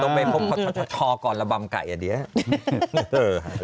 เดี๋ยวต้องไปพบชอก่อนระบำไก่อ่ะเดี๋ยว